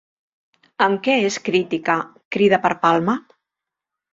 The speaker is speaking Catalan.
Amb què és crítica Crida per Palma?